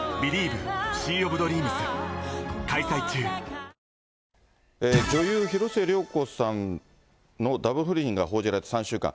「トイレマジックリン」女優、広末涼子さんのダブル不倫が報じられて３週間。